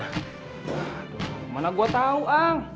aduh mana gua tau ang